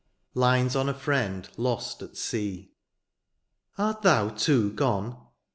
LINES ON A FRIEND LOST AT SEA. Art thou too gone